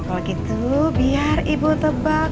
kalau gitu biar ibu tebak